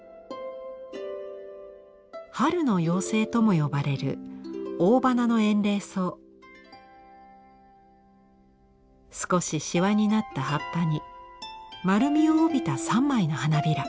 「春の妖精」とも呼ばれる少しシワになった葉っぱに丸みを帯びた３枚の花びら。